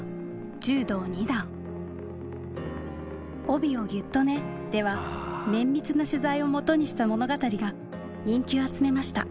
「帯をギュッとね！」では綿密な取材を基にした物語が人気を集めました。